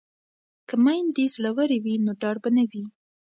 که میندې زړورې وي نو ډار به نه وي.